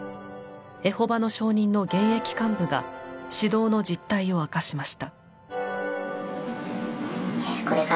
エホバの証人の現役幹部が指導の実態を明かしました。